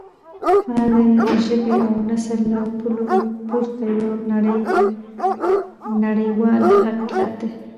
هنر د ژبې او نسل له پولو پورته یو نړیوال حقیقت دی.